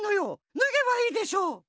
ぬげばいいでしょう。